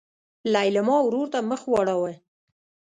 لېلما ورور ته مخ واړوه.